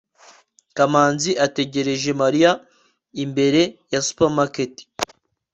kamanzi ategereje mariya imbere ya supermarket